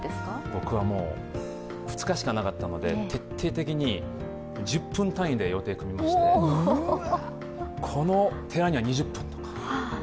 僕は２日しかなかったので徹底的に１０分単位で予定を組みまして、この寺には２０分とか。